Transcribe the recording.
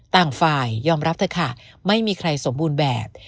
ต่างฝ่ายยอมรับเถอะค่ะไม่มีใครสมบูรณ์แบบ